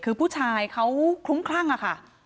คือผู้ชายเขาคลุ้มคลั่งอะค่ะ